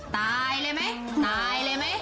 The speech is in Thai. ตายเลยไหมตายเลยไหม